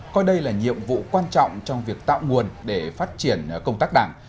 coi đây là nhiệm vụ quan trọng trong việc tạo nguồn để phát triển công tác đảng